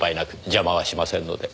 邪魔はしませんので。